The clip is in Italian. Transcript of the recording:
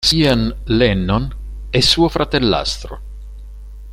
Sean Lennon è suo fratellastro.